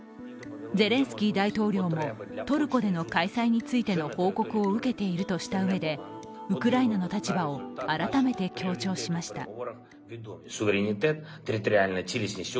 ゼレンスキー大統領も、トルコでの開催についての報告を受けているとしたうえで、ウクライナの立場を改めて強調しました。